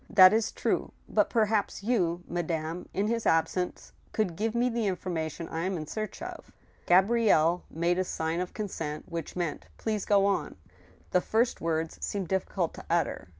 That is true ; but perhaps you, madame, in his absence, could give me the information I am in search of." Gabrielle made a sign of consent, which meant " Please go on." The first words seemed difficult to utter.